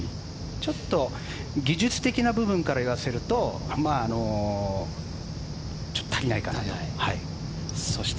ちょっと技術的な部分から言わせるとちょっと足りないかなと。